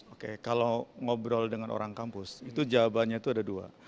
oke kalau ngobrol dengan orang kampus itu jawabannya itu ada dua